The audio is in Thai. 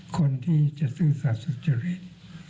คนที่จะซื่อสัตว์สุจริต